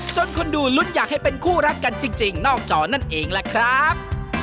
คนดูลุ้นอยากให้เป็นคู่รักกันจริงนอกจอนั่นเองล่ะครับ